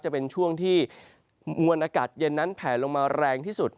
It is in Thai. จะเป็นช่วงที่มวลอากาศเย็นนั้นแผลลงมาแรงที่สุด